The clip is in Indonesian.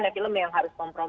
ada film yang harus kompromi